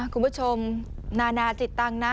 คุณผู้ชมนานาจิตตังค์นะ